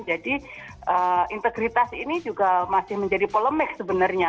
jadi integritas ini juga masih menjadi polemik sebenarnya